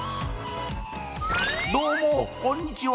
どうもこんにちは。